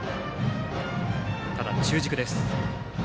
ただ、中軸です。